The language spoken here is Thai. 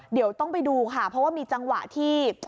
เดี๋ยวต้องไปดูค่ะเพราะว่ามีจังหวะที่